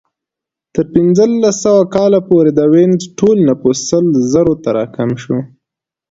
تر پنځلس سوه کال پورې د وینز ټول نفوس سل زرو ته راکم شو